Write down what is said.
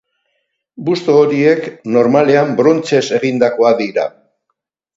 Busto horiek normalean brontzez egindakoak dira.